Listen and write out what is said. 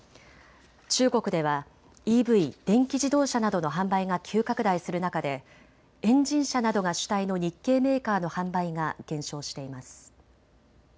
中国ではＥＶ・電気自動車などの販売が急拡大する中でエンジン車などが主体の日系メーカーの販売が減少しています。